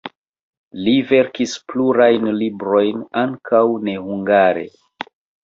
Li verkis plurajn librojn, ankaŭ nehungare.